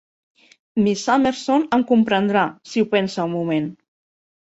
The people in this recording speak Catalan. Miss Summerson, em comprendrà, si ho pensa un moment.